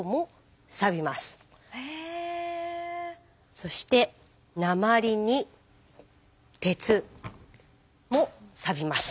そして鉛に鉄もサビます。